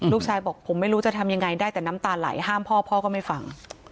ลูกชายบอกผมไม่รู้จะทำยังไงได้แต่น้ำตาไหลห้ามพ่อพ่อก็ไม่ฟัง